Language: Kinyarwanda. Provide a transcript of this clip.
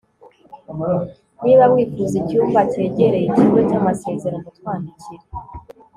niba wifuza icyumba cyegereye ikigo cy'amasezerano, twandikire